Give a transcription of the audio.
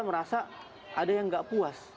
merasa ada yang nggak puas